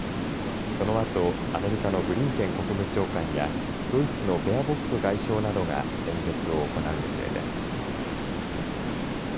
そのあとアメリカのブリンケン国務長官やドイツのベアボック外相などが演説を行う予定です。